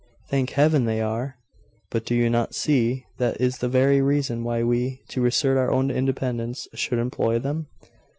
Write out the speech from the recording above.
'Thank Heaven, they are!' 'But do you not see that is the very reason why we, to assert our own independence, should employ them?